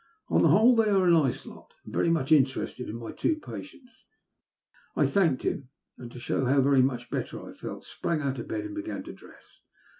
On the whole, they are a nice lot, and very much interested in my two patients." I thanked him, and, to show how very much better I felt, sprang out of bed and began to dress.